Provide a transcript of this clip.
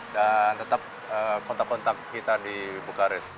dan tetap kontak kontak kita di bukarest